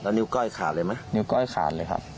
นิ้วก้อยขาดเลยไหมนิ้วก้อยขาดเลยครับ